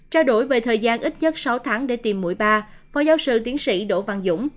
trao đổi về thời gian ít nhất sáu tháng để tìm mũi ba phó giáo sư tiến sĩ đỗ văn dũng